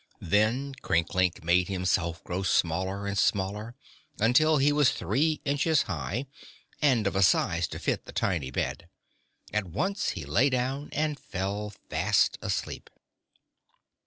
Then Crinklink made himself grow smaller and smaller until he was three inches high and of a size to fit the tiny bed. At once he lay down and fell fast asleep.